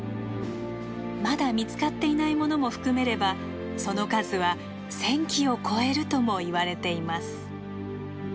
まだ見つかっていないものも含めればその数は１，０００基を超えるともいわれています。